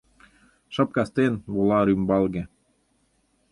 Шып кастен вола рӱмбалге